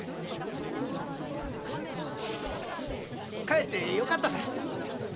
かえってよかったさ。